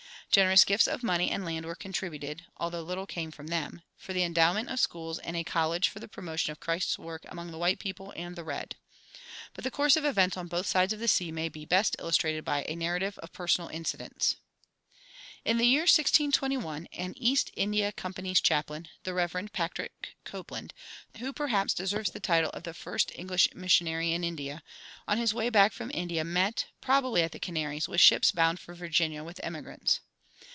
Generous gifts of money and land were contributed (although little came from them) for the endowment of schools and a college for the promotion of Christ's work among the white people and the red. But the course of events on both sides of the sea may be best illustrated by a narrative of personal incidents. In the year 1621, an East India Company's chaplain, the Rev. Patrick Copland, who perhaps deserves the title of the first English missionary in India, on his way back from India met, probably at the Canaries, with ships bound for Virginia with emigrants.